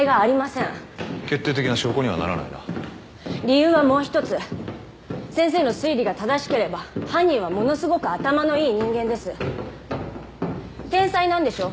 決定的な証拠にはならないな理由はもう１つ先生の推理が正しければ犯人はものすごく頭のいい人間です天才なんでしょ？